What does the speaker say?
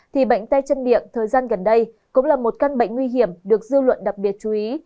thì bệnh tay chân miệng thời gian gần đây cũng là một căn bệnh nguy hiểm được dư luận đặc biệt chú ý